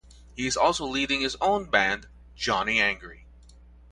He is also leading his own band, Johnny Angry.